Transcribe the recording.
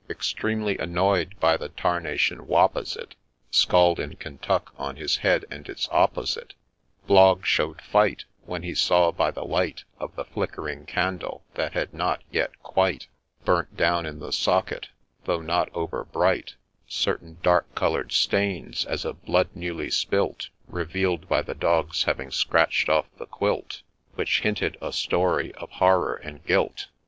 Extremely annoy'd by the ' tarnation whop,' as it 's call'd in Kentuck, on his head and its opposite, Blogg show'd fight ; When he saw, by the light Of the flickering candle, that had not yet quite Burnt down in the socket, though not over bright, Certain dark colour'd stains, as of blood newly spilt, Reveal'd by the dog's having scratch'd off the quilt, — Which hinted a story of horror and guilt